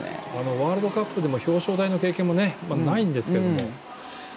ワールドカップでも表彰台の経験もないんですけども。